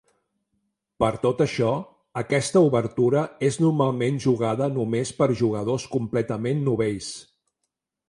Per tot això, aquesta obertura és normalment jugada només per jugadors completament novells.